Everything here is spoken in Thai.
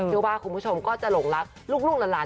เชื่อว่าคุณผู้ชมก็จะหลงรักลูกหลาน